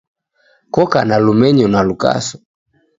Koka na lumenyo na lukaso